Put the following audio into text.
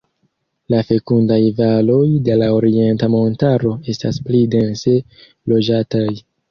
La fekundaj valoj de la Orienta Montaro estas pli dense loĝataj.